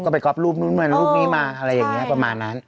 ไปก๊อฟรูปนู้นเหมือนรูปนี้มาอะไรอย่างนี้ประมาณนั้น